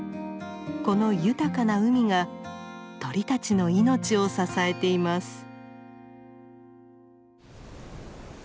この豊かな海が鳥たちの命を支えています。